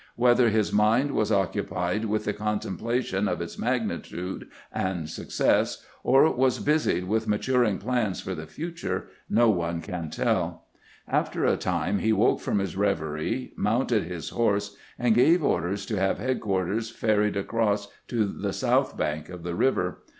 Whether his mind was occupied with the con templation of its magnitude and success, or was busied with maturing plans for the future, no one can teU. After a time he woke from his reverie, mounted his horse, and gave orders to have headquarters ferried across to the south bank of the river.